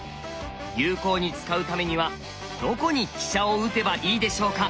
有効に使うためにはどこに飛車を打てばいいでしょうか？